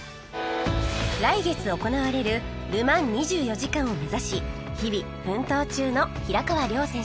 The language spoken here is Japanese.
来月行われるル・マン２４時間を目指し日々奮闘中の平川亮選手